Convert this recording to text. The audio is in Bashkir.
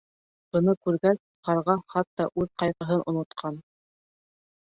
Быны күргәс, Ҡарға хатта үҙ ҡайғыһын онотҡан.